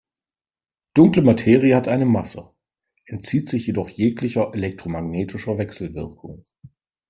Dunkle Materie hat eine Masse, entzieht sich jedoch jeglicher elektromagnetischer Wechselwirkung.